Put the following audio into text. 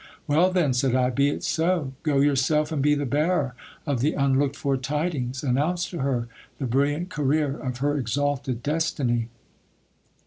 Well, then ! said I, be it so ; go yourself and be the bearer of the unlooked for tidings, announce to her the brilliant career of her exalted destiny.